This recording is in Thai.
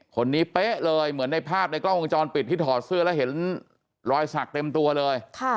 คนนี้เป๊ะเลยเหมือนในภาพในกล้องวงจรปิดที่ถอดเสื้อแล้วเห็นรอยสักเต็มตัวเลย